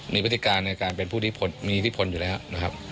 มีพฤติการในการเป็นผู้มีอิทธิพลอยู่แล้วนะครับ